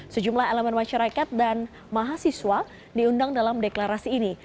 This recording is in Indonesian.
sejumlah elemen masyarakat dan mahasiswa diundang dalam deklarasi ini